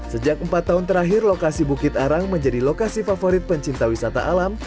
sejak empat tahun terakhir lokasi bukit arang menjadi lokasi favorit pencinta wisata alam